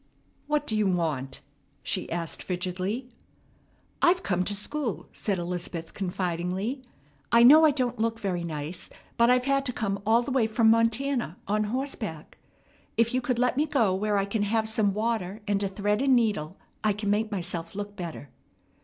"What do you want?" she asked frigidly. "I've come to school," said Elizabeth confidingly. "I know I don't look very nice, but I've had to come all the way from Montana on horseback. If you could let me go where I can have some water and a thread and needle, I can make myself look better."